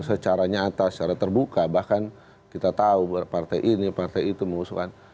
secara nyata secara terbuka bahkan kita tahu buat partai ini partai itu mengusulkan